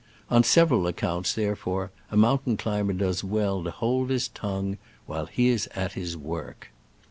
On several accounts, there fore, a mountain climber does well to hold his tongue when he is at his work.